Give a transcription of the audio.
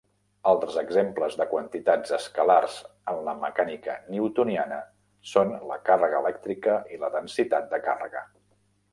Altres exemples de quantitats escalars en la mecànica newtoniana són la càrrega elèctrica i la densitat de càrrega.